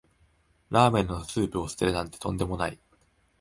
ラーメンのスープを捨てるなんてとんでもない